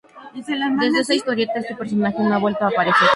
Desde esa historieta este personaje no ha vuelto a aparecer.